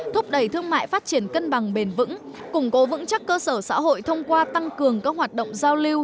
thúc đẩy thương mại phát triển cân bằng bền vững củng cố vững chắc cơ sở xã hội thông qua tăng cường các hoạt động giao lưu